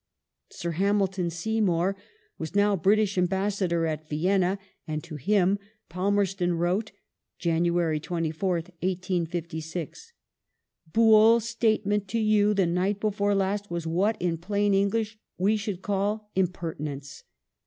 Sir Hamil ton Seymour was now British Ambassador at Vienna and to him Palmerston wrote (Jan. 24th, 1856) :" Buol's statement to you the night before last was what in phiin English we should call im pertinence.